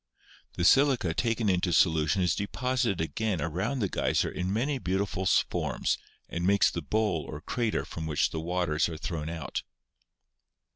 The silica taken into solution is deposited again around the geyser in many beautiful forms and makes the bowl or crater from which the waters are thrown out.